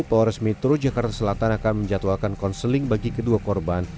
polres metro jakarta selatan akan menjatuhkan konseling bagi kedua korban